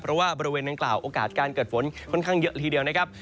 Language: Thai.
เพราะว่าบริเวณดังกล่าวโอกาสการเกิดฝนค่อนข้างเยอะละทีเดียวนะครับ